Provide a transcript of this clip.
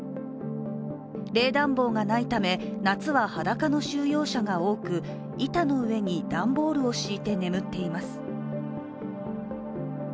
冷暖房がないため、夏は裸の収容者が多く板の上に段ボールを敷いて眠っています。